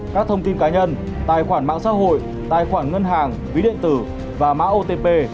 các thông tin cá nhân tài khoản mạng xã hội tài khoản ngân hàng ví điện tử và mã otp